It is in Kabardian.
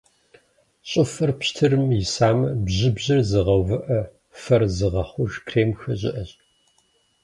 Щӏыфэр пщтырым исамэ, бжьыбжьыр зыгъэувыӏэ, фэр зыгъэхъуж кремхэр щыӏэщ.